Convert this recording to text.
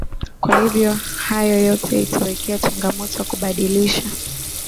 kwa hivyo hayo yote itawekea changamoto kubadilisha